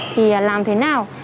thì làm thế nào